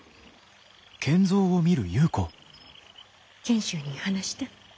賢秀に話した？